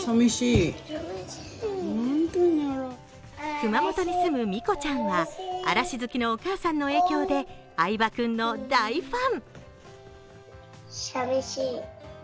熊本に住むみこちゃんは嵐好きのお母さんの影響で相葉君の大ファン。